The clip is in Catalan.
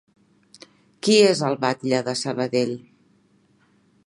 Qui és el batlle de Sabadell?